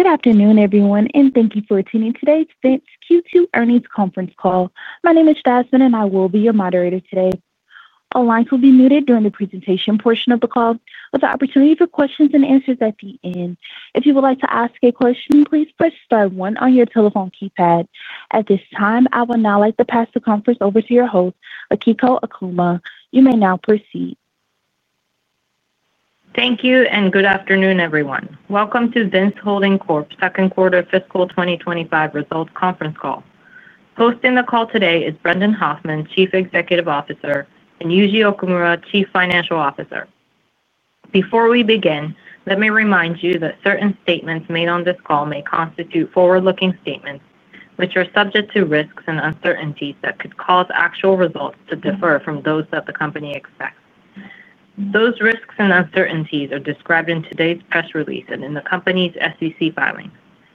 Good afternoon, everyone, and thank you for attending today's Q2 earnings conference call. My name is Jasmine, and I will be your moderator today. All lines will be muted during the presentation portion of the call, with the opportunity for questions and answers at the end. If you would like to ask a question, please press star one on your telephone keypad. At this time, I would now like to pass the conference over to your host, Akiko Okuma. You may now proceed. Thank you, and good afternoon, everyone. Welcome to Vince Holding Corp.'s second quarter fiscal 2025 results conference call. Hosting the call today is Brendan Hoffman, Chief Executive Officer, and Yuji Okumura, Chief Financial Officer. Before we begin, let me remind you that certain statements made on this call may constitute forward-looking statements, which are subject to risks and uncertainties that could cause actual results to differ from those that the company expects. Those risks and uncertainties are described in today's press release and in the company's SEC filings,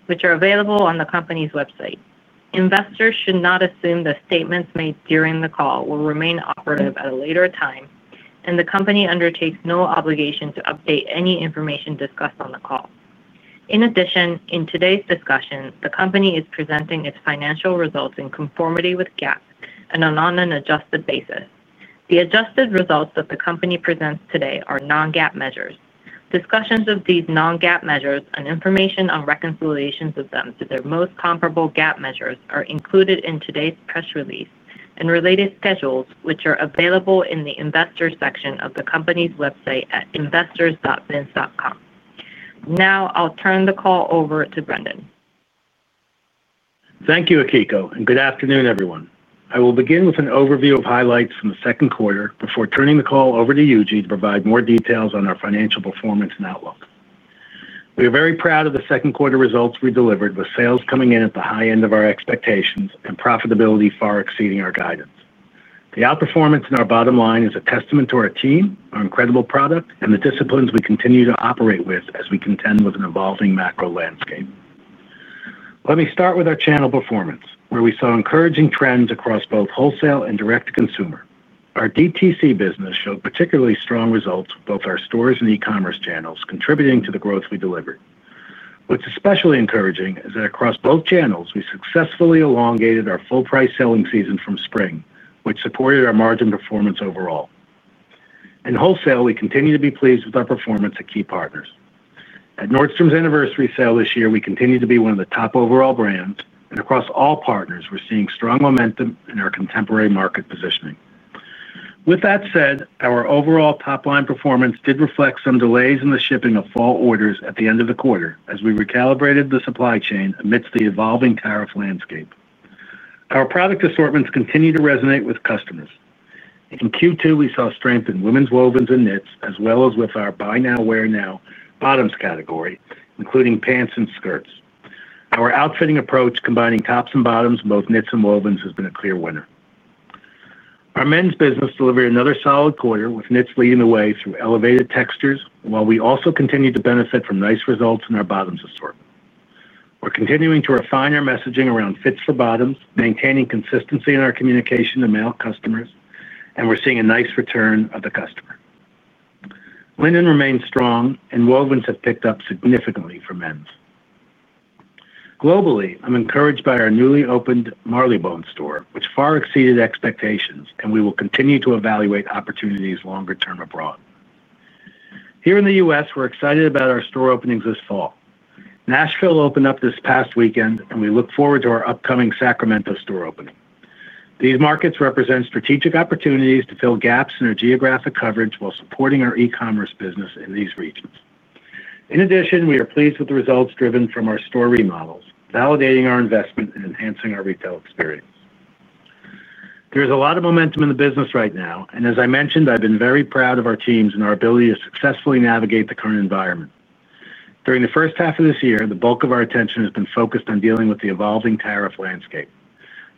which are available on the company's website. Investors should not assume that statements made during the call will remain operative at a later time, and the company undertakes no obligation to update any information discussed on the call. In addition, in today's discussion, the company is presenting its financial results in conformity with GAAP and on an adjusted basis. The adjusted results that the company presents today are non-GAAP measures. Discussions of these non-GAAP measures and information on reconciliations of them to their most comparable GAAP measures are included in today's press release and related schedules, which are available in the investors' section of the company's website at investors.vince.com. Now, I'll turn the call over to Brendan. Thank you, Akiko, and good afternoon, everyone. I will begin with an overview of highlights from the second quarter before turning the call over to Yuji to provide more details on our financial performance and outlook. We are very proud of the second quarter results we delivered, with sales coming in at the high end of our expectations and profitability far exceeding our guidance. The outperformance in our bottom line is a testament to our team, our incredible product, and the disciplines we continue to operate with as we contend with an evolving macro landscape. Let me start with our channel performance, where we saw encouraging trends across both wholesale and direct-to-consumer. Our direct-to-consumer business showed particularly strong results for both our stores and e-commerce channels, contributing to the growth we delivered. What's especially encouraging is that across both channels, we successfully elongated our full-price selling season from spring, which supported our margin performance overall. In wholesale, we continue to be pleased with our performance at key partners. At Nordstrom's anniversary sale this year, we continue to be one of the top overall brands, and across all partners, we're seeing strong momentum in our contemporary market positioning. With that said, our overall top-line performance did reflect some delays in the shipping of fall orders at the end of the quarter as we recalibrated the supply chain amidst the evolving tariff landscape. Our product assortments continue to resonate with customers. In Q2, we saw strength in women's wovens and knits, as well as with our buy-now, wear-now bottoms category, including pants and skirts. Our outfitting approach, combining tops and bottoms in both knits and wovens, has been a clear winner. Our men's business delivered another solid quarter, with knits leading the way through elevated textures, while we also continue to benefit from nice results in our bottoms assortment. We're continuing to refine our messaging around fits for bottoms, maintaining consistency in our communication to male customers, and we're seeing a nice return of the customer. Linen remains strong, and wovens have picked up significantly for men's. Globally, I'm encouraged by our newly opened Marylebone store, which far exceeded expectations, and we will continue to evaluate opportunities longer term abroad. Here in the U.S., we're excited about our store openings this fall. Nashville opened up this past weekend, and we look forward to our upcoming Sacramento store opening. These markets represent strategic opportunities to fill gaps in our geographic coverage while supporting our e-commerce business in these regions. In addition, we are pleased with the results driven from our store remodels, validating our investment and enhancing our retail experience. There's a lot of momentum in the business right now, and as I mentioned, I've been very proud of our teams and our ability to successfully navigate the current environment. During the first half of this year, the bulk of our attention has been focused on dealing with the evolving tariff landscape.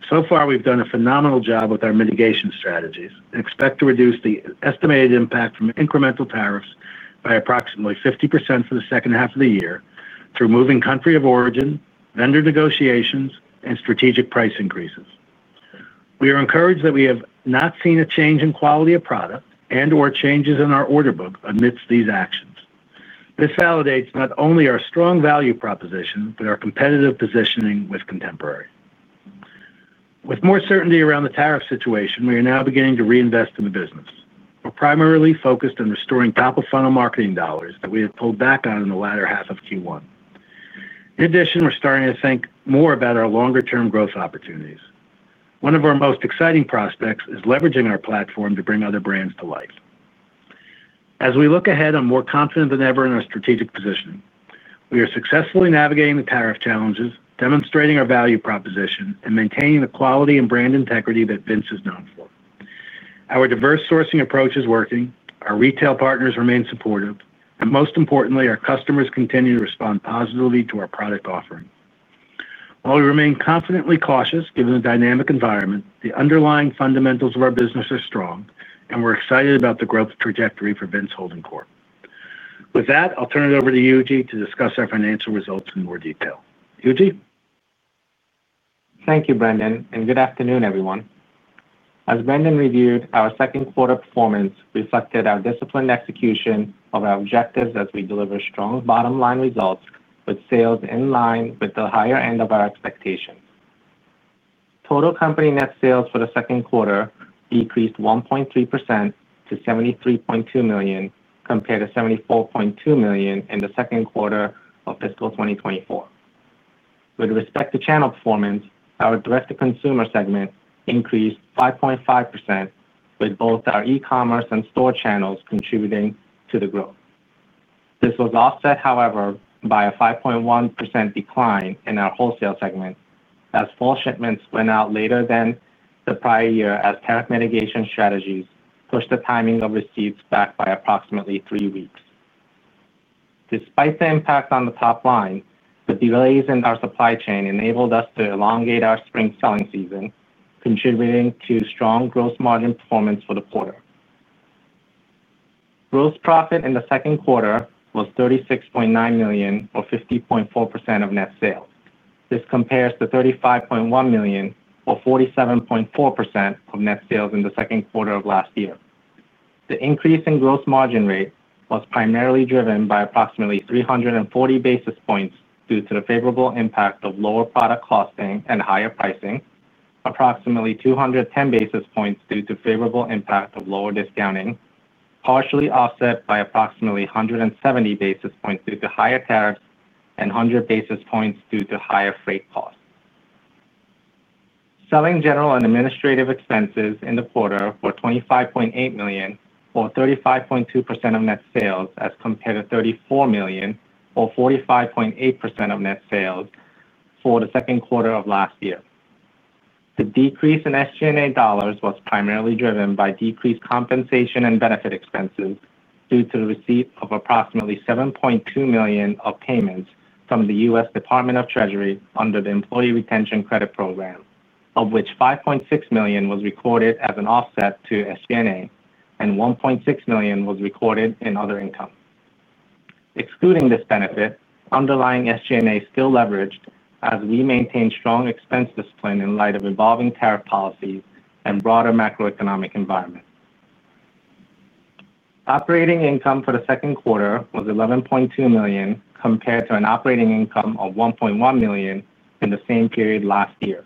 So far, we've done a phenomenal job with our mitigation strategies and expect to reduce the estimated impact from incremental tariffs by approximately 50% for the second half of the year through moving country of origin, vendor negotiations, and strategic price increases. We are encouraged that we have not seen a change in quality of product and/or changes in our order book amidst these actions. This validates not only our strong value proposition but our competitive positioning with contemporary. With more certainty around the tariff situation, we are now beginning to reinvest in the business. We're primarily focused on restoring top-of-funnel marketing dollars that we had pulled back on in the latter half of Q1. In addition, we're starting to think more about our longer-term growth opportunities. One of our most exciting prospects is leveraging our platform to bring other brands to life. As we look ahead, I'm more confident than ever in our strategic positioning. We are successfully navigating the tariff challenges, demonstrating our value proposition, and maintaining the quality and brand integrity that Vince is known for. Our diverse sourcing approach is working, our retail partners remain supportive, and most importantly, our customers continue to respond positively to our product offering. While we remain confidently cautious given the dynamic environment, the underlying fundamentals of our business are strong, and we're excited about the growth trajectory for Vince Holding Corp. With that, I'll turn it over to Yuji to discuss our financial results in more detail. Yuji. Thank you, Brendan, and good afternoon, everyone. As Brendan reviewed, our second quarter performance reflected our disciplined execution of our objectives as we deliver strong bottom-line results with sales in line with the higher end of our expectation. Total company net sales for the second quarter decreased 1.3% to $73.2 million compared to $74.2 million in the second quarter of fiscal 2024. With respect to channel performance, our direct-to-consumer segment increased 5.5%, with both our e-commerce and store channels contributing to the growth. This was offset, however, by a 5.1% decline in our wholesale segment as full shipments went out later than the prior year as tariff mitigation strategies pushed the timing of receipts back by approximately three weeks. Despite the impact on the top line, the delays in our supply chain enabled us to elongate our spring selling season, contributing to strong gross margin performance for the quarter. Gross profit in the second quarter was $36.9 million, or 50.4% of net sales. This compares to $35.1 million, or 47.4% of net sales in the second quarter of last year. The increase in gross margin rate was primarily driven by approximately 340 basis points due to the favorable impact of lower product costing and higher pricing, approximately 210 basis points due to favorable impact of lower discounting, partially offset by approximately 170 basis points due to higher tariffs, and 100 basis points due to higher freight costs. Selling, general and administrative expenses in the quarter were $25.8 million, or 35.2% of net sales, as compared to $34 million, or 45.8% of net sales for the second quarter of last year. The decrease in SG&A dollars was primarily driven by decreased compensation and benefit expenses due to the receipt of approximately $7.2 million of payments from the U.S. Department of Treasury under the Employee Retention Credit Program, of which $5.6 million was recorded as an offset to SG&A, and $1.6 million was recorded in other income. Excluding this benefit, underlying SG&A still leveraged as we maintain strong expense discipline in light of evolving tariff policies and broader macroeconomic environment. Operating income for the second quarter was $11.2 million compared to an operating income of $1.1 million in the same period last year.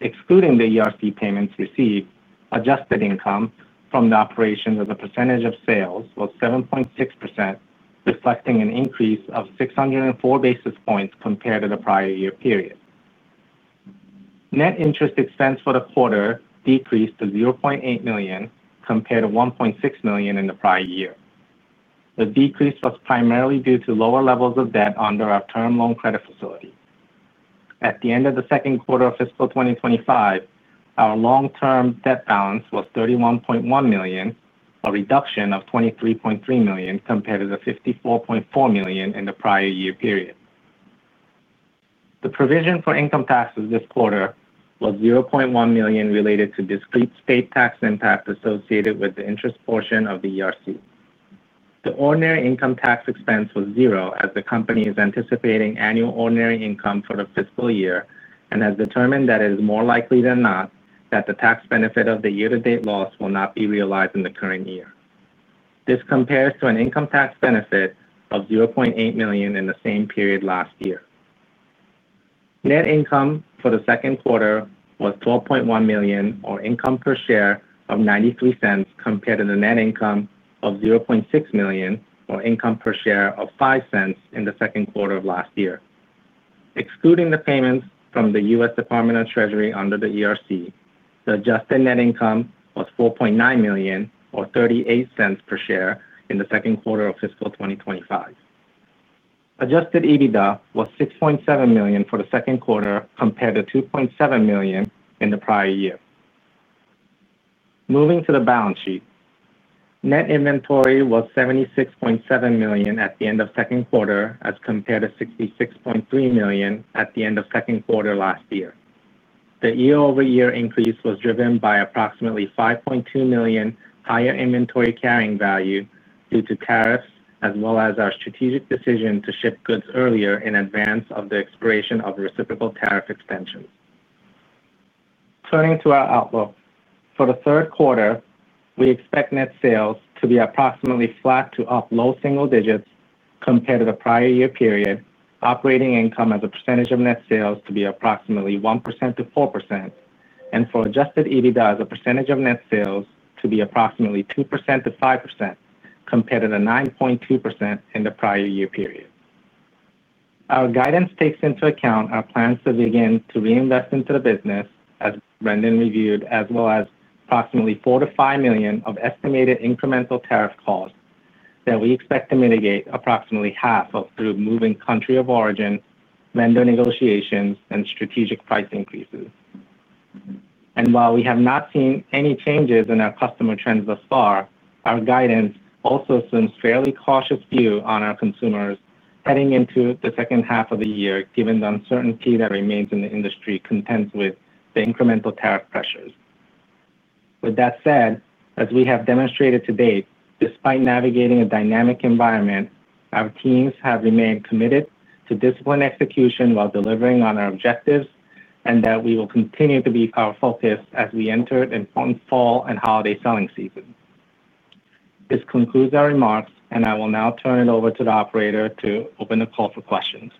Excluding the Employee Retention Credit payments received, adjusted income from the operations as a percentage of sales was 7.6%, reflecting an increase of 604 basis points compared to the prior year period. Net interest expense for the quarter decreased to $0.8 million compared to $1.6 million in the prior year. The decrease was primarily due to lower levels of debt under our term loan credit facility. At the end of the second quarter of fiscal 2025, our long-term debt balance was $31.1 million, a reduction of $23.3 million compared to the $54.4 million in the prior year period. The provision for income taxes this quarter was $0.1 million related to discrete state tax impact associated with the interest portion of the Employee Retention Credit. The ordinary income tax expense was zero as the company is anticipating annual ordinary income for the fiscal year and has determined that it is more likely than not that the tax benefit of the year-to-date loss will not be realized in the current year. This compares to an income tax benefit of $0.8 million in the same period last year. Net income for the second quarter was $12.1 million, or income per share of $0.93 compared to the net income of $0.6 million, or income per share of $0.05 in the second quarter of last year. Excluding the payments from the U.S. Department of Treasury under the Employee Retention Credit, the adjusted net income was $4.9 million, or $0.38 per share in the second quarter of fiscal 2025. Adjusted EBITDA was $6.7 million for the second quarter compared to $2.7 million in the prior year. Moving to the balance sheet, net inventory was $76.7 million at the end of the second quarter as compared to $66.3 million at the end of the second quarter last year. The year-over-year increase was driven by approximately $5.2 million higher inventory carrying value due to tariffs, as well as our strategic decision to ship goods earlier in advance of the expiration of the reciprocal tariff extension. Turning to our outlook, for the third quarter, we expect net sales to be approximately flat to up low single digits compared to the prior year period, operating income as a percentage of net sales to be approximately 1% to 4%, and for adjusted EBITDA as a percentage of net sales to be approximately 2% to 5% compared to the 9.2% in the prior year period. Our guidance takes into account our plans to begin to reinvest into the business, as Brendan reviewed, as well as approximately $4 to $5 million of estimated incremental tariff costs that we expect to mitigate approximately half of through moving country of origin, vendor negotiations, and strategic price increases. While we have not seen any changes in our customer trends thus far, our guidance also assumes a fairly cautious view on our consumers heading into the second half of the year, given the uncertainty that remains in the industry content with the incremental tariff pressures. With that said, as we have demonstrated to date, despite navigating a dynamic environment, our teams have remained committed to disciplined execution while delivering on our objectives, and that will continue to be our focus as we enter an important fall and holiday selling season. This concludes our remarks, and I will now turn it over to the operator to open the call for questions.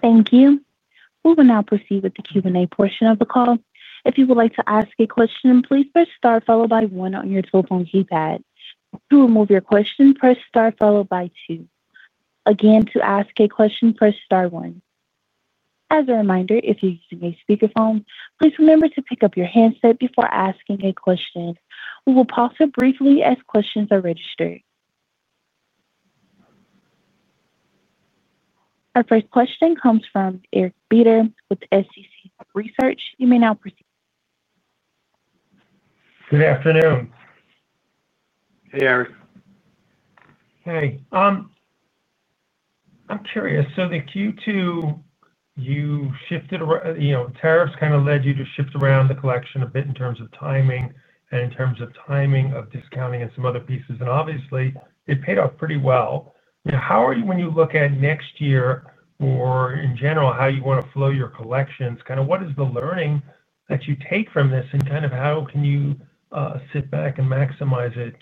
Thank you. We will now proceed with the Q&A portion of the call. If you would like to ask a question, please press star followed by one on your telephone keypad. To remove your question, press star followed by two. Again, to ask a question, press star one. As a reminder, if you're using a speakerphone, please remember to pick up your handset before asking a question. We will pause briefly as questions are registered. Our first question comes from Eric Beter with SEC Research. You may now proceed. Good afternoon. Hey, Eric. Hey. I'm curious. For Q2, you shifted, you know, tariffs kind of led you to shift around the collection a bit in terms of timing and in terms of timing of discounting and some other pieces. Obviously, it paid off pretty well. Now, how are you, when you look at next year or in general how you want to flow your collections, what is the learning that you take from this and how can you sit back and maximize it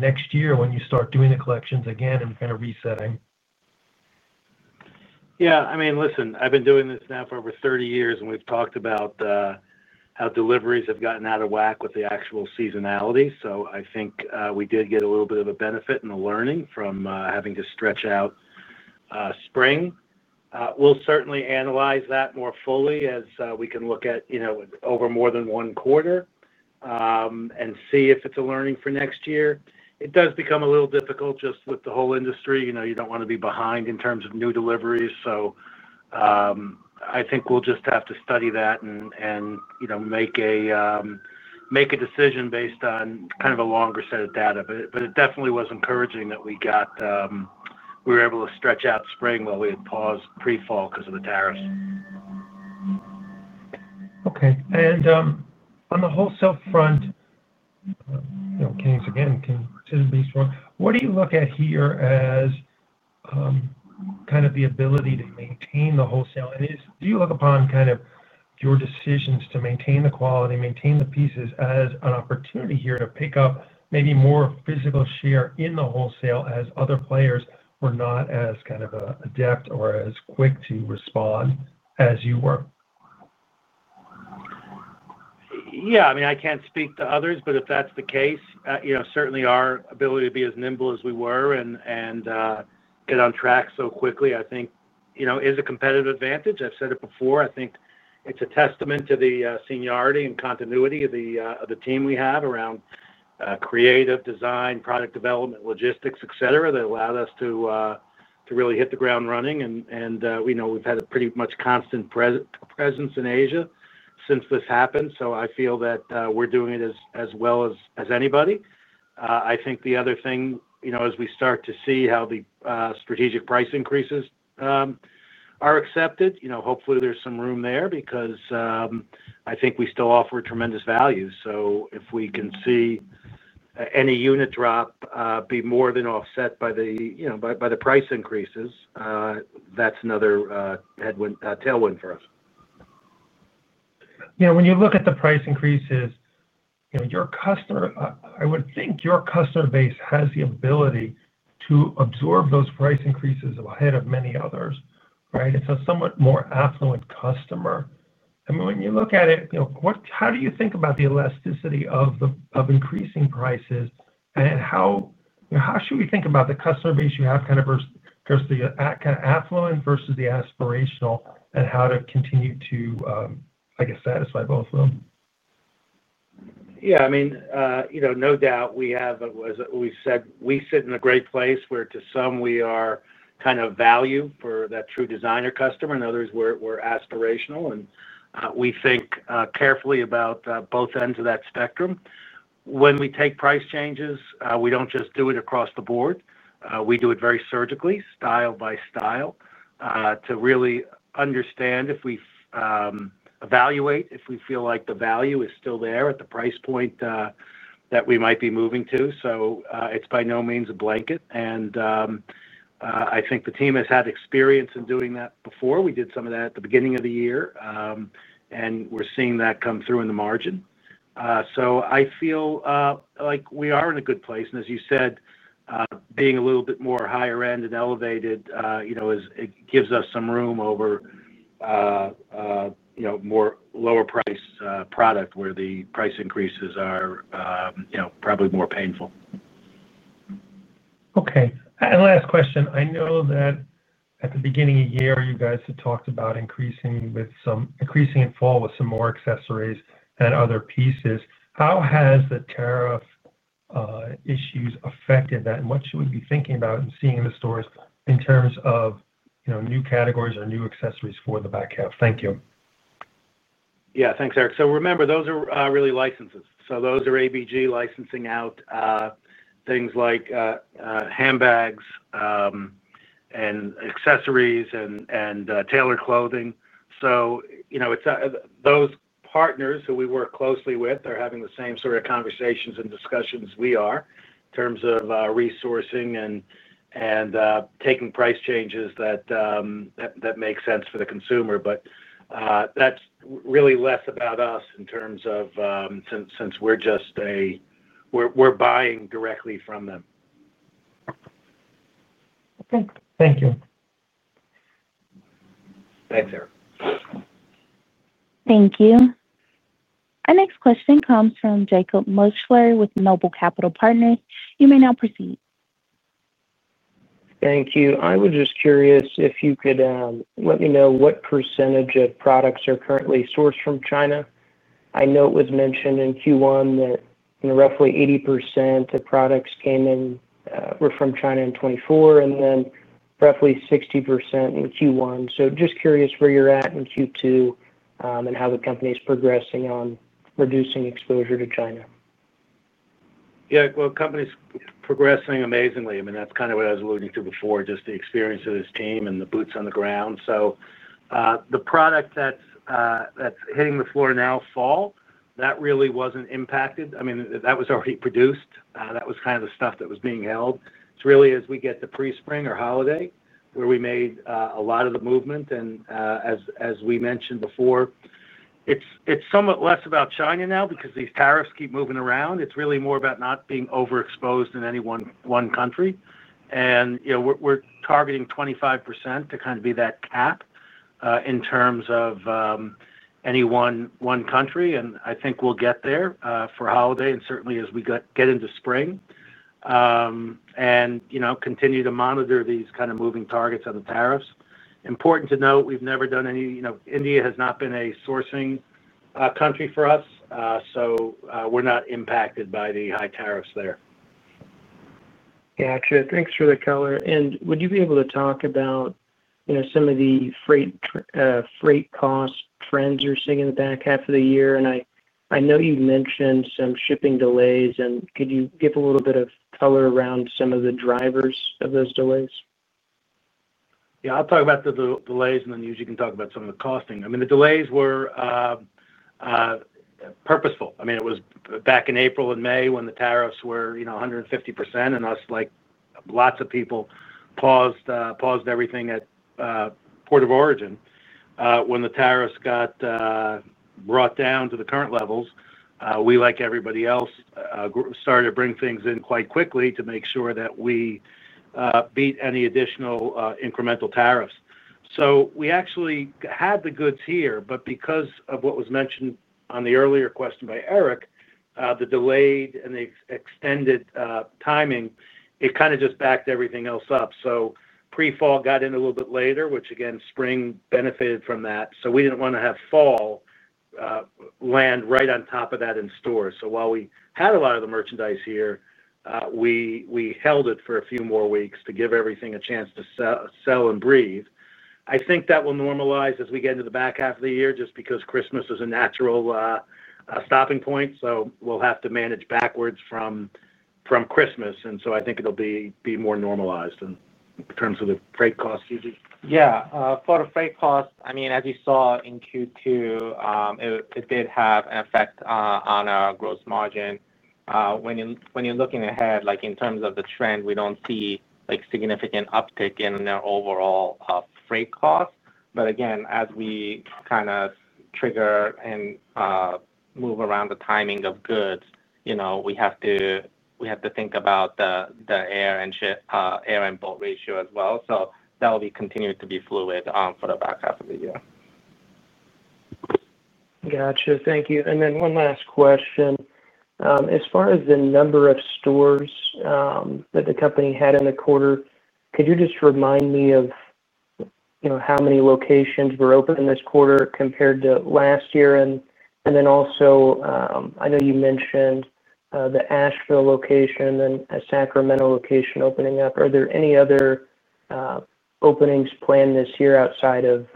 next year when you start doing the collections again and resetting? Yeah, I mean, listen, I've been doing this now for over 30 years, and we've talked about how deliveries have gotten out of whack with the actual seasonality. I think we did get a little bit of a benefit and a learning from having to stretch out spring. We'll certainly analyze that more fully as we can look at, you know, over more than one quarter and see if it's a learning for next year. It does become a little difficult just with the whole industry. You don't want to be behind in terms of new deliveries. I think we'll just have to study that and make a decision based on kind of a longer set of data. It definitely was encouraging that we were able to stretch out spring while we had paused pre-fall because of the tariffs. Okay. On the wholesale front, you know, Kings again, King Citizen Beach. What do you look at here as the ability to maintain the wholesale? Do you look upon your decisions to maintain the quality, maintain the pieces as an opportunity here to pick up maybe more physical share in the wholesale as other players were not as adept or as quick to respond as you were? Yeah, I mean, I can't speak to others, but if that's the case, certainly our ability to be as nimble as we were and get on track so quickly, I think, is a competitive advantage. I've said it before. I think it's a testament to the seniority and continuity of the team we have around creative design, product development, logistics, et cetera, that allowed us to really hit the ground running. We know we've had a pretty much constant presence in Asia since this happened. I feel that we're doing it as well as anybody. I think the other thing, as we start to see how the strategic price increases are accepted, hopefully there's some room there because I think we still offer tremendous value. If we can see any unit drop be more than offset by the price increases, that's another headwind, tailwind for us. Yeah, when you look at the price increases, you know, your customer, I would think your customer base has the ability to absorb those price increases ahead of many others, right? It's a somewhat more affluent customer. I mean, when you look at it, you know, how do you think about the elasticity of increasing prices? How should we think about the customer base you have, kind of versus the affluent versus the aspirational, and how to continue to, I guess, satisfy both of them? Yeah, I mean, you know, no doubt we have, as we said, we sit in a great place where to some we are kind of value for that true designer customer, and others we're aspirational. We think carefully about both ends of that spectrum. When we take price changes, we don't just do it across the board. We do it very surgically, style by style, to really understand if we evaluate if we feel like the value is still there at the price point that we might be moving to. It's by no means a blanket. I think the team has had experience in doing that before. We did some of that at the beginning of the year, and we're seeing that come through in the margin. I feel like we are in a good place. As you said, being a little bit more higher-end and elevated, it gives us some room over more lower-priced product where the price increases are probably more painful. Okay. Last question. I know that at the beginning of the year, you guys had talked about increasing with some increasing in fall with some more accessories and other pieces. How has the tariff issues affected that? What should we be thinking about and seeing in the stores in terms of, you know, new categories or new accessories for the back half? Thank you. Yeah, thanks, Eric. Remember, those are really licenses. Those are ABG licensing out things like handbags and accessories and tailored clothing. Those partners who we work closely with are having the same sort of conversations and discussions we are in terms of resourcing and taking price changes that make sense for the consumer. That's really less about us, since we're just buying directly from them. Okay, thank you. Thanks, Eric. Thank you. Our next question comes from Jacob Mutschler with NOBLE Capital Markets. You may now proceed. Thank you. I was just curious if you could let me know what % of products are currently sourced from China. I know it was mentioned in Q1 that roughly 80% of products came in were from China in 2024, and then roughly 60% in Q1. Just curious where you're at in Q2, and how the company is progressing on reducing exposure to China. Yeah, the company's progressing amazingly. That's kind of what I was alluding to before, just the experience of this team and the boots on the ground. The product that's hitting the floor now, fall, that really wasn't impacted. That was already produced. That was kind of the stuff that was being held. It's really as we get to pre-spring or holiday where we made a lot of the movement. As we mentioned before, it's somewhat less about China now because these tariffs keep moving around. It's really more about not being overexposed in any one country. We're targeting 25% to kind of be that cap, in terms of any one country. I think we'll get there for holiday, and certainly as we get into spring, and continue to monitor these kind of moving targets on the tariffs. Important to note, we've never done any, you know, India has not been a sourcing country for us, so we're not impacted by the high tariffs there. Gotcha. Thanks for the color. Would you be able to talk about, you know, some of the freight cost trends you're seeing in the back half of the year? I know you mentioned some shipping delays, and could you give a little bit of color around some of the drivers of those delays? Yeah, I'll talk about the delays, and then you can talk about some of the costing. The delays were purposeful. It was back in April and May when the tariffs were, you know, 150%, and us, like lots of people, paused everything at port of origin. When the tariffs got brought down to the current levels, we, like everybody else, started to bring things in quite quickly to make sure that we beat any additional incremental tariffs. We actually had the goods here, but because of what was mentioned on the earlier question by Eric, the delayed and the extended timing, it kind of just backed everything else up. Pre-fall got in a little bit later, which, again, spring benefited from that. We didn't want to have fall land right on top of that in store. While we had a lot of the merchandise here, we held it for a few more weeks to give everything a chance to sell and breathe. I think that will normalize as we get into the back half of the year just because Christmas is a natural stopping point. We'll have to manage backwards from Christmas. I think it'll be more normalized in terms of the freight costs, Yuji. Yeah, for the freight costs, as you saw in Q2, it did have an effect on our gross margin. When you're looking ahead, like in terms of the trend, we don't see significant uptick in the overall freight cost. Again, as we kind of trigger and move around the timing of goods, we have to think about the air and ship, air and boat ratio as well. That will continue to be fluid for the back half of the year. Thank you. One last question. As far as the number of stores that the company had in the quarter, could you just remind me of how many locations were open in this quarter compared to last year? I know you mentioned the Nashville location and then a Sacramento location opening up. Are there any other openings planned this year outside of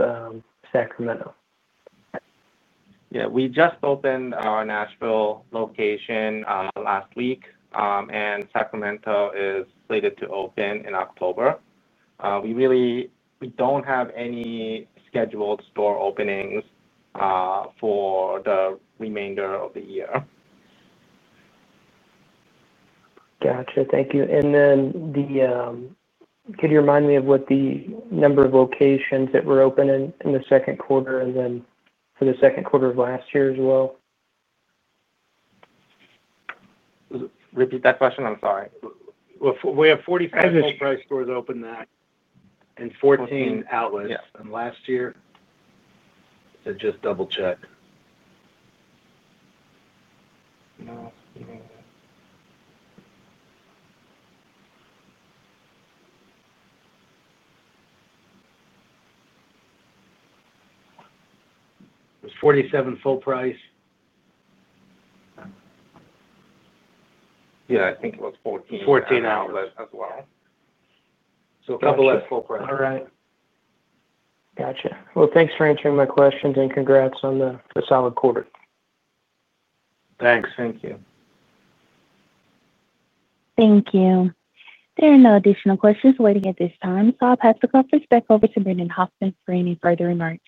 Sacramento? Yeah, we just opened our Nashville location last week, and Sacramento is slated to open in October. We really don't have any scheduled store openings for the remainder of the year. Thank you. Could you remind me of what the number of locations that were open in the second quarter and for the second quarter of last year as well? Repeat that question. I'm sorry. We have 40 full-price stores opened and 14 outlets in last year. Just double-check, it was 47 full price. Yeah, I think it was 14. 14 outlets. A couple less full price. All right. Gotcha. Thanks for answering my questions and congrats on the solid quarter. Thanks. Thank you. Thank you. There are no additional questions waiting at this time. I'll pass the conference back over to Brendan Hoffman for any further remarks.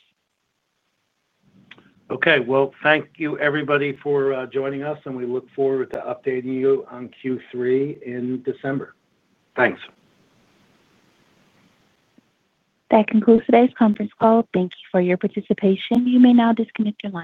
Thank you, everybody, for joining us, and we look forward to updating you on Q3 in December. Thanks. That concludes today's conference call. Thank you for your participation. You may now disconnect your line.